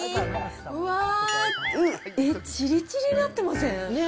わー、えっ、ちりちりになってまね。